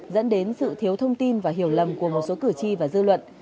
dẫn đến sự thiếu thông tin và hiểu lầm của một số cử tri và dư luận